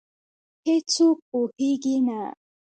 هیڅوک پوهېږې نه،